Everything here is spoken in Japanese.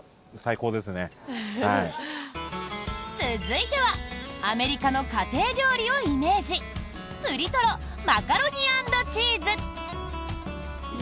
続いてはアメリカの家庭料理をイメージぷりとろマカロニ＆チーズ。